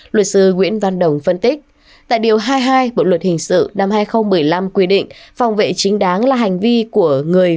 luật sư nguyễn văn đồng phân tích tại điều hai mươi hai bộ luật hình sự năm hai nghìn một mươi năm quy định phòng vệ chính đáng là hành vi của người